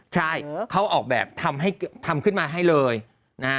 ใช่เขาออกแบบทำขึ้นมาให้เลยนะ